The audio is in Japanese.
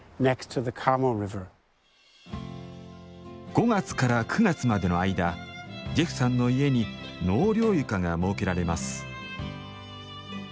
５月から９月までの間ジェフさんの家に「納涼床」が設けられます。